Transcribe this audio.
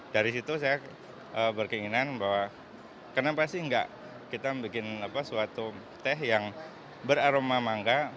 dari situ saya berkeinginan bahwa kenapa sih enggak kita bikin suatu teh yang beraroma mangga